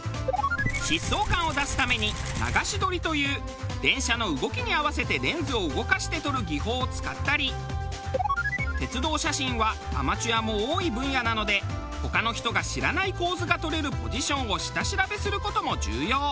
疾走感を出すために流し撮りという電車の動きに合わせてレンズを動かして撮る技法を使ったり鉄道写真はアマチュアも多い分野なので他の人が知らない構図が撮れるポジションを下調べする事も重要。